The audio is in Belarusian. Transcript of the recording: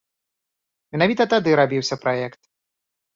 Менавіта тады рабіўся праект.